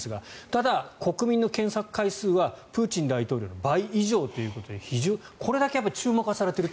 ただ国民の検索回数はプーチン大統領の倍以上ということでこれだけ注目はされていると。